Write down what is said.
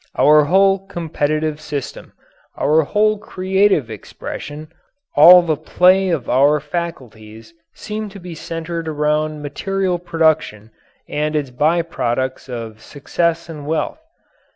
Our whole competitive system, our whole creative expression, all the play of our faculties seem to be centred around material production and its by products of success and wealth.